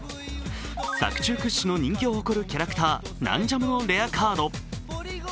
作中屈指の人気を誇るキャラクターナンジャモのレアカード。